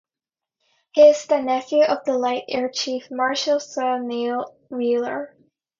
He is the nephew of the late Air Chief Marshal Sir Neil Wheeler.